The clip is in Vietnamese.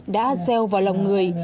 đã gieo vào lòng người